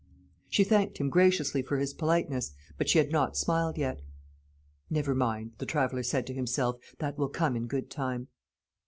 She thanked him graciously for his politeness, but she had not smiled yet. "Never mind," the traveller said to himself; "that will come in good time."